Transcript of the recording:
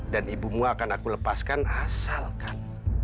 dan ibumu akan aku lepaskan asalkan